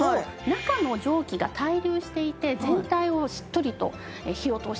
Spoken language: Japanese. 中の蒸気が対流していて全体をしっとりと火を通してくれるんです。